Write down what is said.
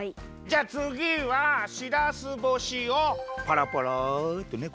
じゃあつぎはしらす干しをぱらぱらってね